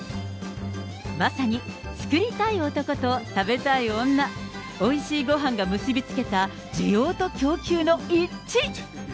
まさに、作りたい男と食べたい女、おいしいごはんが結び付けた需要と供給の一致。